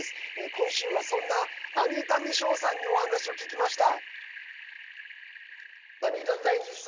今週はそんなアニータ・ミショーさんにお話を聞きました。